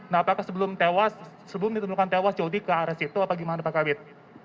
nah apakah sebelum ditemukan tewas jadi ke arah situ apa gimana pak kabit